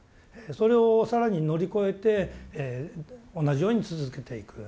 それを更に乗り越えて同じように続けていく。